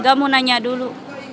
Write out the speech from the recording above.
gak mau nanya dulu